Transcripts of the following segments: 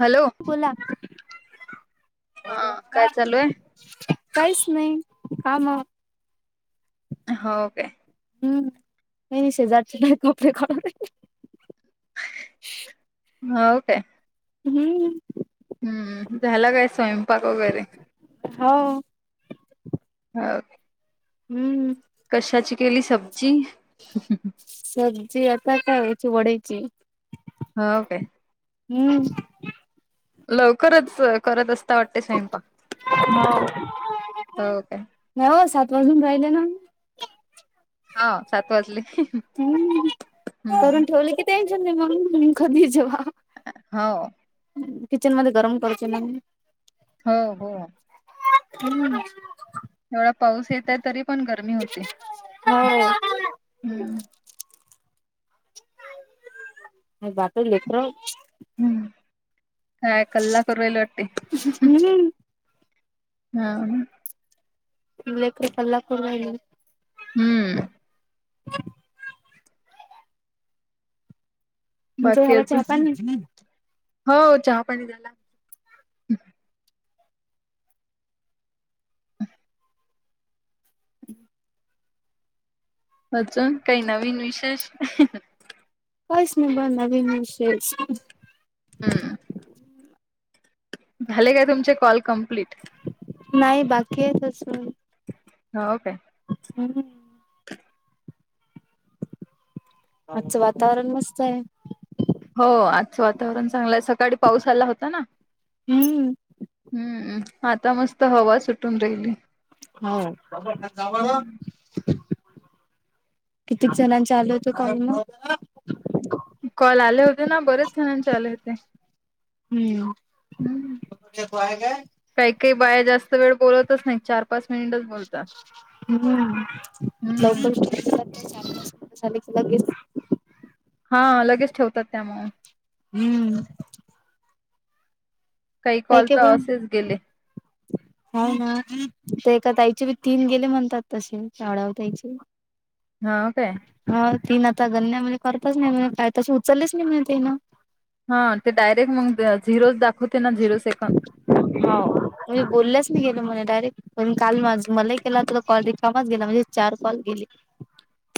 Hello बोला हा काय चालू आहे काहीच नाही काम. हो काय हम्म नाही नाही शेजारचे तर कपडे काडून हव काय हम्म हम्म झालं काय स्वयंपाक वगैरे? हो ह हम्म कशाची केली सब्जी? सब्जी आता काय याची वड्यांची. हो काय हम्म. लवकरच करत असता वाटतं, स्वयंपाक हो काय. हो सात वाजून राहिले ना. हां सात वाजले. हम्म. हम्म करून ठेवले की टेन्शन नाही, मग कधीही जेवा. हो. किचनमध्ये गरम करूचे नाही. हो हो. हम्. तेवढा पाऊस येतंय, तरी पण गर्मी होते. [unintelligible] हम्म आणि बाकी लेकर हम्म. काय कल्ला करु राहिले वाटते. हम्म हा ना? लेकरं कल्ला करू राहिले. हम्म. तुमच्या झाला बाकीचं चहा पाणी हो, चहा पाणी झाला. अजून काही नवीन विशेष. काहीच नाही बा, नवीन विशेष. हम्म. झाले का तुमचे, कॉल कम्प्लीट. नाही बाकी, आहेत असं. हो काय? हम्म. आजचं वातावरण मस्त आहे. हो आजचं वातावरण चांगलं आहे. सकाळी पाऊस आला होता ना. हम्म. हम्म, आता मस्त हवा सुटून राहिली. हो. हम्म. कित्येक जणांचे आले, होते कॉल मगं. कॉल आले होते ना, बरेच जणांचे आले होते. हम्म [unintelligible] काही काही बाया जास्त वेळ बोलतच नाही, चार पाच मिनिटच बोलतात. हम्म हम्म लवकर [unintelligible] लगेच. हां, लगेच ठेवतात त्यामुळं. हम्म. काही काय कॉल कै तर बन. असेच [inaudible] हो ना. ते एका ताईचे बी तीन गेले म्हणतात तसे आढाव ताईचे. हं काय. हो तीन अं.. गन्यामध्ये करतच नाही म्हणे, काय तसे उचलेच नाही म्हणे तिनं. हा ते डायरेक्ट मग, झिरोच दाखवते ना झिरो सेकंद. हाव. मी बोललेच नाहीये तुम्हाला डायरेक्ट पण काल माझ मलाही केला तुला कॉल रिकामाच गेला म्हणजे चार कॉल गेले.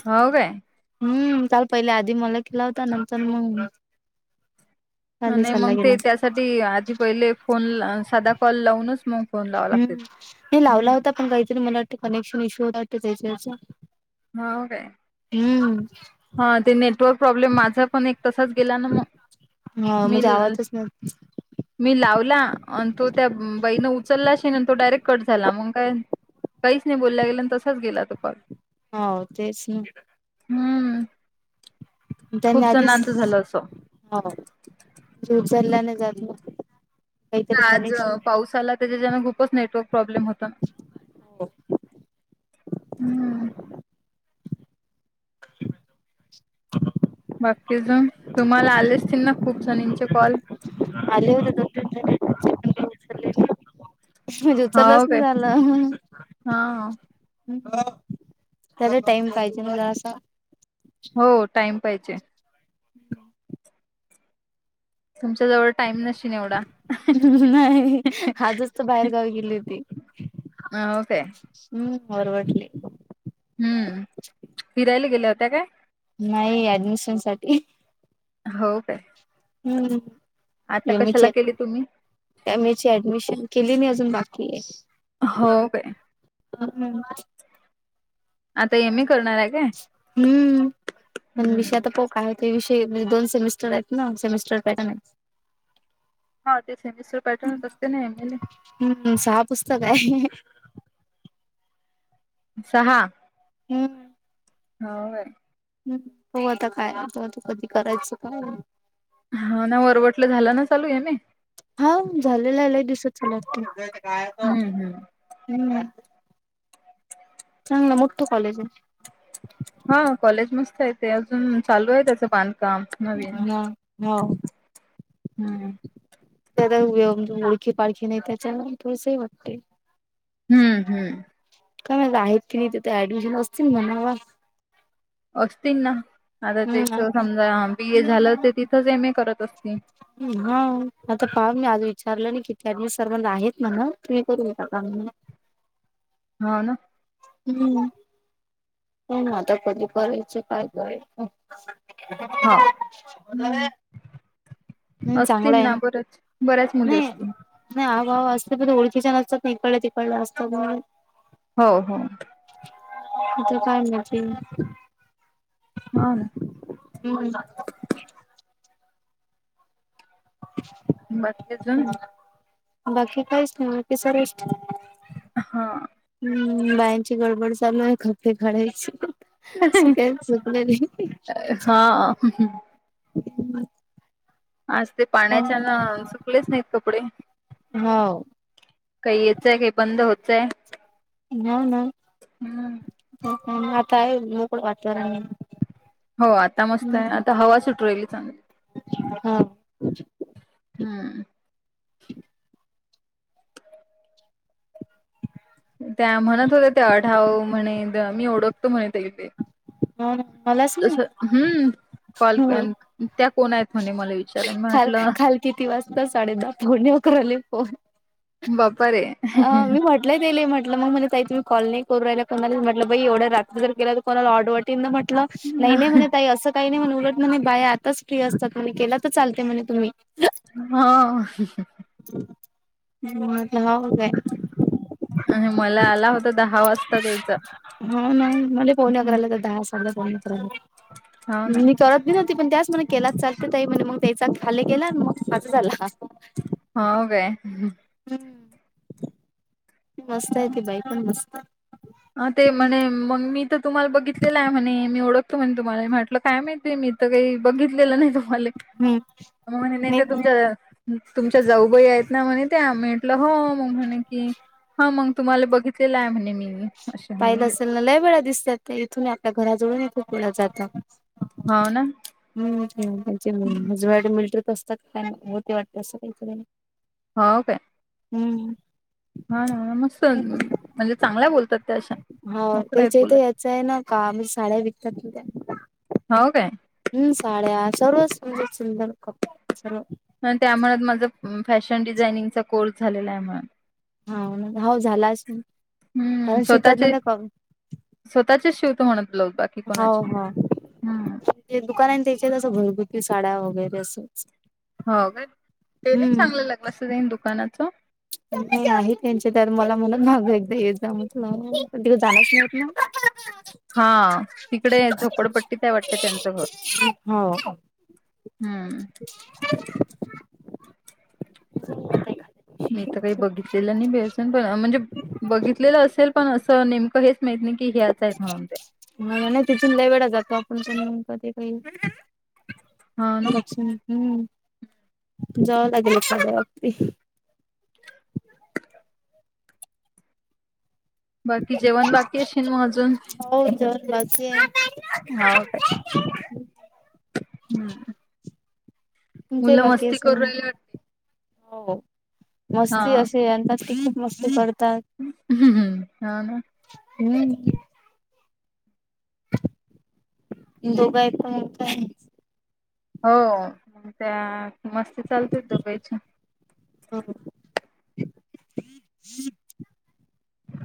हौव काय. हम्म चाल, पहिले आधी मला केला होता, नंतर मग. खाली आणि चालला मग गेला ते त्यासाठी आधी पहिले फोन साधा कॉल लावूनच मग. फोन लावा हम्म लागते नाही लावला होता पण काहीतरी मला वाटतं कनेक्शन इश्यू होता वाटत त्याच्यावरचा. हो का? हम्म. हा ते, नेटवर्क प्रॉब्लेम माझं पण एक तसाच गेला ना मग. हा मी म्हणजे आवाजच न मी लावला आणि तो त्या बाईनं उचलला, शे तो डायरेक्ट कट झाला मग काय. काहीच नाही बोलला गेलं आणि तसाच गेला तो पाग. हो तेच ना? हम्म त्यांनी खूप आधीच, जणांचं झालं असं हो दूर झाल्याने जात. काहीतरी आज कनेक्शन पावसा आला त्याच्याच्यान खूपच नेटवर्क प्रॉब्लेम होत हम्म [inaudible] बाकी तुम्हाला आले असतील ना खूप जणांचे कॉल. [unintelligible] म्हणजे उचलच हो काय नाही झालं. हा त्याला टाईम पाहिजे मला असा हो टाईम पाहिजे. [inaudible] तुमच्या जवळ टाईम नशिन एवढा. नाही आजच तर बाहेर गावी गेली होती. हं काय. हम्म बरं वाटले. हम्म फिरायला गेल्या होत्या काय? नाही ऍडमिशन साठी. हो काय? हम्म आता कशाला यमीचे केली तुम्ही एम ए ची ऍडमिशन केली नाही अजून बाकी आहे. हो बाई [unintelligible] आता एमए करणार आहे. काय हम्म पण हम्म विषय आता पो काय होत विषय म्हणजे दोन सेमिस्टर आहेत ना सेमिस्टर पॅटर्न आहेत. हा ते सेमेशर पॅटर्नच असते नाही मले. हम्म हम्म सहा पुस्तक आहे. सहा हम्म. हो काय? हम्म हो आता काय त तू कधी करायच काय? हा ना वरवटलं झालं ना चालू आहे ना एमए? हो झालेला लई दिवसाचा लकी हम्म हम्म हम्म. चांगला मोठं कॉलेज आहे. हा कॉलेज मस्त आहे ते, अजून चालू आहे त्याचं बांधकाम नवीन. हम्म. त्या ओळखी पाळखी नाही त्याच्याला थोडसही वाटते. हम्म हम्म. काय म आहेत की नाहीथथ ऍडमिशन असतील म्हणावा? असतील ना आता त्याच समजा बी ए झालं हम्म. ते तिथंच एम ए करत असतील. हा आता पाहा मी आज विचारलं नाही किती अ सर्वांना आहेत म्हणा तुम्ही करू काम. हौ ना, हम्म. हो ना आता कधी करायचं, काय करायचं. हो [unintelligible] नाही चांगलं असतील आहे ना बरच बऱ्याच मुली नाही असतील. नाही आवावा असते पण ओळखीच्या असतात नाही इकडलं तिकडलं असतात. हो हो आता काय [unintelligible] हां. हम्म. [inaudible] बाकी जणं. बाकी काहिच नाही‌. [unintelligible] हां. हम्म. बायांची गडबड चालू आहे, कपडे काढायची. सगळेच झोपलेले. [unintelligible] आज ते हो पाण्याच्यान सुकलेच नाहीत कपडे. हो काही येतंय, हे बंद होतंय. नाही नाही [unintelligible] मोकळं वातावरण आहे. हो आता मस्त आहे, आता हवा सुटू राहिली चांगली. हा. हम्म. त्या म्हणत होत्या ते अढाव म्हणे मी ओळखतो म्हणे ते इथे. होय मलाच. ना तसं हम्म कॉल हो त्या कोण आहेत म्हणे, मला विचारल काल म्हटलं. काल किती वाजता? साडे दहा पाऊणे अकराला फोन. बापरे. अं मी म्हट लई दिलंय म्हटलं मग म्हणले आहे तुम्ही कॉल नाही करू राहिला कोणाला. म्हटलं बाई एढ्या रात्री जर केला तर कोणाला ऑड वाटेल ना मग. नाही म्हणे, ताई असं. काही नाही म्हण उलट बाई, आताच फ्री असतात म्हणे केला तर चालते म्हणे तुम्ही. हो. हम्म म्हंटल हाव काय? आणि मला आला होता दहा वाजता त्यांचा. हो नाही म्हले, बोले [unintelligible] हो [unintelligible] ना मी करत पण न्हवती, त्याच मला. केला तर चालते ताई म्हणे, मग त्याचा खाली केला आणि मग माझा झाला. हो कायं. हम्म. मस्त आहे ती बाई पण मस्त आहे. अ ते म्हणे मग मी तर तुम्हाला बघितलेलं आहे. म्हणे मी ओळख तो म्हटलं मला म्हटलं काय माहिती बाई मी तर काही बघितलेलं नाही तुम्हाले. हम्म मग म्हणे नाही तर तुमचं तुमच्या जाऊबाई आहेत ना म्हणे त्या, मी म्हटलं हो. मग म्हणे की हा मग तुम्हाला बघितलेलं आहे म्हणे मी. असे पाहिलं म्हणे असेल ना लय वेळा दिसतात. इथून मी आपल्या घराजवळून इथून पुढं जातात. हाव ना? हम्म. आमचे जड मिलीटरीत असतात, काय हो ते वाटते असं काही तरी. हो काय? हम्म. हा ना मस्त म्हणजे, चांगल्या बोलत्यात त्या अशा मोकळ्या आहेत बोलायला. च आहे ना काम, साड्या विकतात ना त्या. हाव काय? हम्म साड्या सर्व सुंदर सुंदर कपडे सर्व म्हणत्या म्हणत माझं फॅशन डिझाइनिंगचा कोर्स झालेला आहे म्हण. हाव ना हाव झालाच म. हम्म स्वतःचे स्वतःचेच शिवतो म्हणत ब्लाउज बा हाव हाव ते दुकान आहे त्याच्यात असं घरगुती साड्या वगैरे असच. हाव काय ते नाही चांगलं लागलं असं तेन दुकानाचं. नाय आहे त्यांचे तर मला म्हणत मागं एकदा येत जा म्हटलं. [unintelligible] हा तिकडे ह्या झोपडपट्टीत हाय वाटते त्यांचं घर. ती हावा का? हम्म. [unintelligible] मी तर काही बघितलेलं नाही बाई अजून पण म्हणजे बघितलेलं असेल पण असं नेमकं हेच. माहत नाही की हेच्या आहेत म्हणून ते. मला नाही तिथून लई वेळा जातो आपण [unintelligible] ते काही हा ना लक्ष नाय हम्म हम्म जावा लागेल. [unintelligible] बाकी जेवण बाकी अशीन म अजून? हो विचार. [unintelligible] हाव काय? हम्म. तुमचे ही मुलं बाकी मस्ती असेल करू म. राहिले वाटतं हो मस्ती अशी आणतात की खूप मस्ती करतात. हाव ना. हम्म. दोघा येताय. [unintelligible] हो त्या मस्ती चालते दुबेची. हाव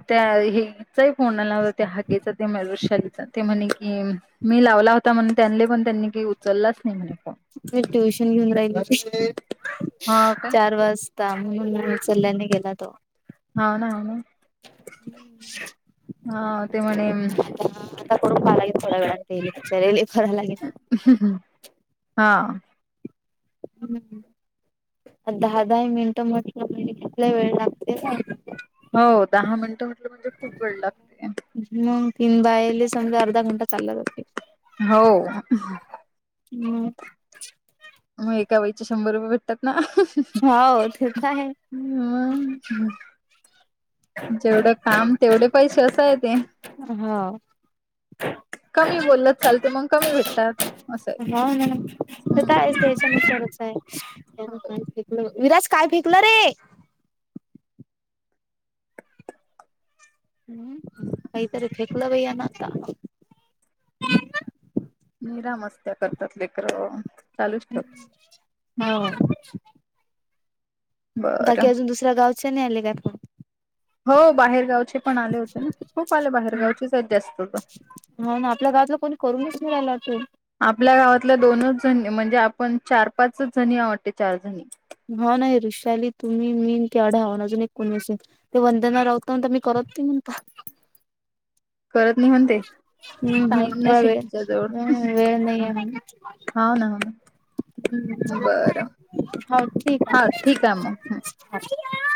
त्या हे चाही फोन आला होता त्या हागेचा ते म वृषालीचा ते म्हणे कि मी लावला होता म्हणून त्यांनले पण त्यांनी काही उचललाच नाही म्हणे फोन. म ट्युशन घेऊन राहिलं हा का चार वाज [unintelligible] उचलला नाही गेला तो. हाव ना हाव ना हा ते म्हणे [unintelligible] हा. हम्म आणि दहा दहा ही मिनिटं म्हटलं कितल्या वेळ लाग हो दहा मिनिटं म्हटलं म्हणजे खूप वेळ लागते. मग तीन बायली समजे अर्ध घंटा चाललं जाते. हाव मग मय का वईचे शंभर रुपये भेटतात ना. हो तेच आहे. हम्म जेवढं काम तेवढे पैसे असाय ते. हा. कमी बोललत चालते मग कमी भेटतात असं हो ना ते हम्म. हो [unintelligible] हम्म. काहीतरी फेकलं बाई यांन आता. निरा मस्त्या करतात लेकरं, चालूच ठेवता हम्म. हो बाकी बरं अजून दुसऱ गावच्या नाही आले का फोन हो बाहेरगावचे पण आले होते ना, खूप आले बाहेरगावचे लै जास्त तर. म्हणून आपल्या गावातला कोणी करूनच मिळाला तून. आपल्या गावातल्या दोनच जणी म्हणजे आपण चार पाचच जणी या वाटते चार जणी. हाव नाही ऋषाली तुम्ही मी ते आढावाण अजून एक कोणी असेल. ते वंदना रावत का म्हणता मी करत नाही म्हणता. करत नाही म्हणते, हम्म टाईम हम्म नसेल वेळ तिच्या जवळ. वेळ नाहीये म्हणे हा हा. बरं हो ठीक आहे हा ठीक आहे मग. [unintelligible]